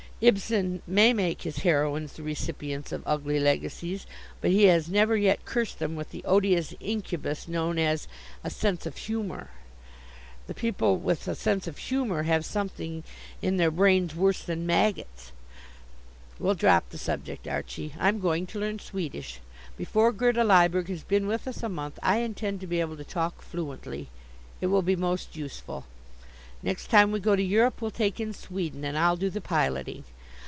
Ibsen may make his heroines the recipients of ugly legacies, but he has never yet cursed them with the odious incubus known as 'a sense of humor.' The people with a sense of humor have something in their brains worse than maggots. We'll drop the subject, Archie. I'm going to learn Swedish. Before Gerda Lyberg has been with us a month I intend to be able to talk fluently. It will be most useful. Next time we go to Europe we'll take in Sweden, and I'll do the piloting.